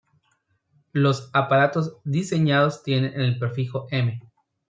Los aparatos diseñados tienen el prefijo "M".